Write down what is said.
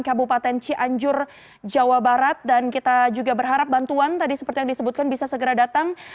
kabupaten cianjur jawa barat dan kita juga berharap bantuan tadi seperti yang disebutkan bisa segera datang